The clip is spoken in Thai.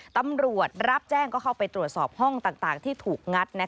ตำรวจรับแจ้งก็เข้าไปตรวจสอบห้องต่างที่ถูกงัด